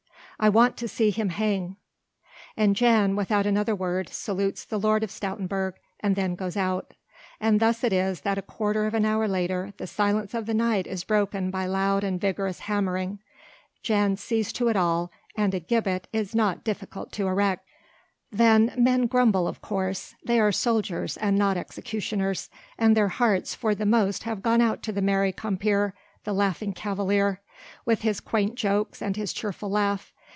I want to see him hang...." And Jan without another word salutes the Lord of Stoutenburg and then goes out. And thus it is that a quarter of an hour later the silence of the night is broken by loud and vigorous hammering. Jan sees to it all and a gibbet is not difficult to erect. Then men grumble of course; they are soldiers and not executioners, and their hearts for the most have gone out to that merry compeer the Laughing Cavalier with his quaint jokes and his cheerful laugh.